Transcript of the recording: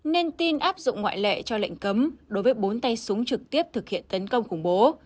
nên tin áp dụng ngoại lệ cho lệnh cấm đối với bốn tay súng trực tiếp thực hiện tấn công khủng bố